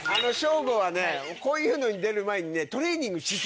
こういうのに出る前にね。